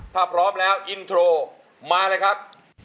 ถ้าพร้อมแล้วอินโทรมาเลยครับ